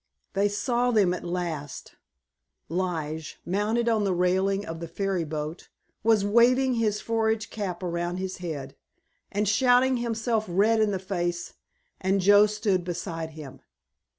They saw them at last. Lige, mounted on the railing of the ferry boat, was waving his forage cap around his head and shouting himself red in the face, and Joe stood beside him.